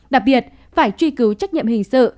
đặc biệt phải truy cứu trách nhiệm hình sự